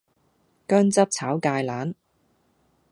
薑汁炒芥蘭